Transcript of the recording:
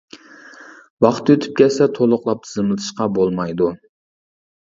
ۋاقتى ئۆتۈپ كەتسە، تولۇقلاپ تىزىملىتىشقا بولمايدۇ.